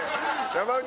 山内！